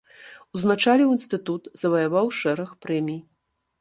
Узначаліў інстытут, заваяваў шэраг прэмій.